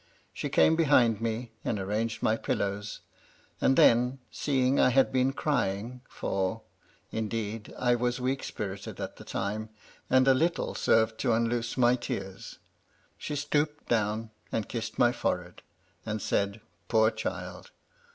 She came behind me, and arranged my pillows, and then, seeing I had been crying — ^for, indeed, I was weak spirited at the time, and a little served to unloose my tears — she stooped down, and kissed my forehead, and said " Poor child